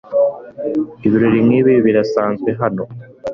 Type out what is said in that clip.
Ibirori nkibi birasanzwe hano.